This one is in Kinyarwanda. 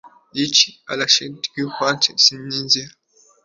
Ricky naraye mu ntekerezo sinasinzira